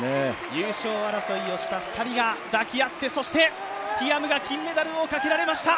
優勝争いをした２人が抱き合って、そしてティアムが金メダルをかけられました。